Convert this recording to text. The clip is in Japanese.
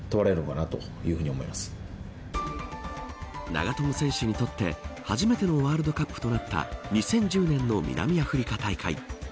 長友選手にとって初めてのワールドカップとなった２０１０年の南アフリカ大会。